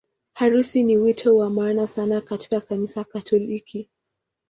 Harusi ni wito wa maana sana katika Kanisa Katoliki.